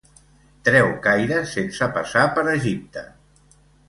Treu caires sense passar per Egipte.